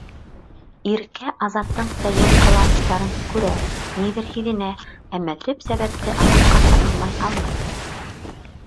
Иркә Азаттың сәйер ҡыланыштарын күрә, ниҙер һиҙенә, әммә төп сәбәпте аҙаҡҡаса аңлай алмай.